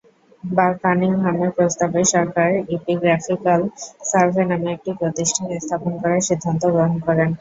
কানিংহামের প্রস্তাবে সরকার epigraphical survey নামে একটি প্রতিষ্ঠান স্থাপন করার সিদ্ধান্ত গ্রহণ করেন।